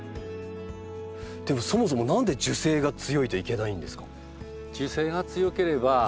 でもそもそも何で樹勢が強いといけないんですか？